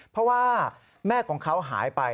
เพราะว่าแม่ของเขาหายไป